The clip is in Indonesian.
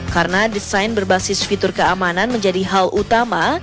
karena desain berbasis fitur keamanan menjadi hal utama